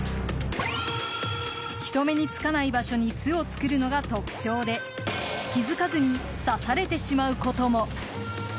人目につかない場所に巣を作るのが特徴で気づかずに刺されてしまうことも。